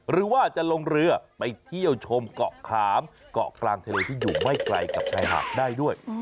หรือว่าจะลงเรือไปเที่ยวชมเกาะขามเกาะกลางทะเลที่อยู่ไม่ไกลกับชายหาดได้ด้วย